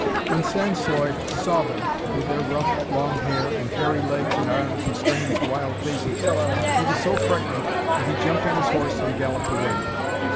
When Sansloy saw them, with their rough long hair and hairy legs and arms and strange wild faces, he was so frightened that he jumped on his horse and galloped away.